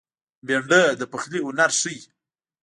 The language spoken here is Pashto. بېنډۍ د پخلي هنر ښيي